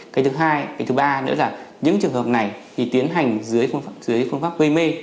cái thứ hai cái thứ ba nữa là những trường hợp này thì tiến hành dưới phương pháp gây mê